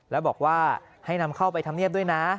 แล้วบอกว่าให้นำเข้าไปทำเนียบด้วยนะ